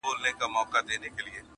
o تر خوړلو ئې اميد ښه دئ!